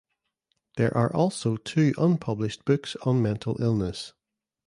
There are also two unpublished books on mental illness.